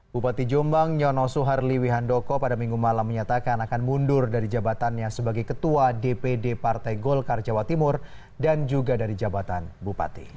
bupati jombang nyono suharli wihandoko pada minggu malam menyatakan akan mundur dari jabatannya sebagai ketua dpd partai golkar jawa timur dan juga dari jabatan bupati